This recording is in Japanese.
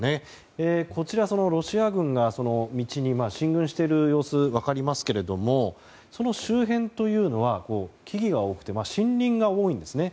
こちら、ロシア軍が道に進軍している様子が分かりますけれどもその周辺というのは木々が多くて森林が多いんですね。